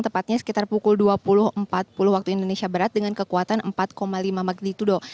tepatnya sekitar pukul dua puluh empat puluh waktu indonesia barat dengan kekuatan empat lima magnitudo